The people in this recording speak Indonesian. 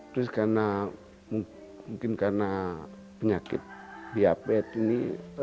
terus karena mungkin karena penyakit diabetes ini